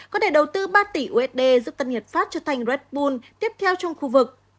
có thể đầu tư ba tỷ usd giúp tân hiệp pháp trở thành red bull tiếp theo trong khu vực